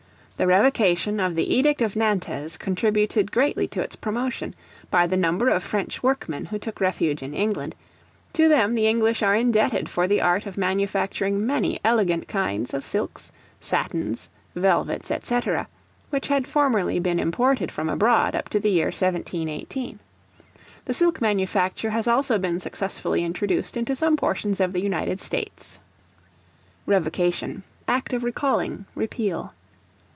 The revocation of the Edict of Nantes contributed greatly to its promotion, by the number of French workmen who took refuge in England; to them the English are indebted for the art of manufacturing many elegant kinds of silks, satins, velvets, &c., which had formerly been imported from abroad up to the year 1718. The silk manufacture has also been successfully introduced into some portions of the United States. Revocation, act of recalling, repeal.